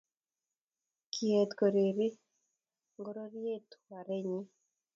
kiet kuureri ngororyet warwenyin